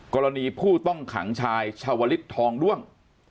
กรณีผู้ต้องขังชายชาวลิศทองด้วง